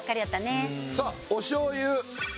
さあおしょう油。